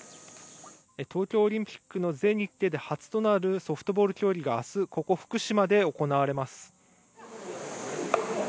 東京オリンピックの全日程で初となるソフトボール競技があす、ここ、福島で行われます。